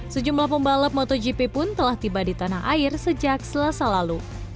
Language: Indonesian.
sejumlah pembalap motogp pun telah tiba di tanah air sejak selasa lalu